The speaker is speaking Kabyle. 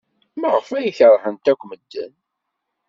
Maɣef ay keṛhent akk medden?